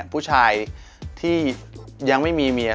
ผู้ชายที่ยังไม่มีเมีย